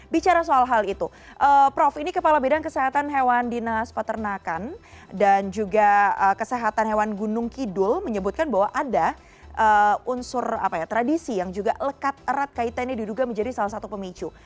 bicara soal hal itu prof ini kepala bidang kesehatan hewan dinas peternakan dan juga kesehatan hewan gunung kidul menyebutkan bahwa ada unsur tradisi yang juga lekat erat kaitannya diduga menjadi salah satu pemicu